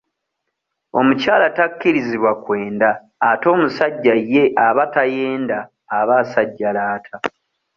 Omukyala takkirizibwa kwenda ate omusajja ye aba tayenda aba asajjalaata.